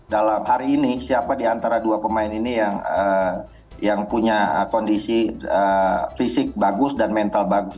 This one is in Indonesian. dalam hari ini siapa di antara dua pemain ini yang punya kondisi fisik bagus dan mental bagus